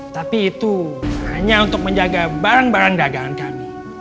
tapi itu hanya untuk menjaga barang barang dagangan kami